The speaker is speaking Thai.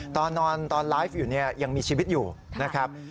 ตอนนอนตอนไลฟ์อยู่ยังมีชีวิตอยู่นะครับ